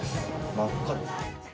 真っ赤ですね。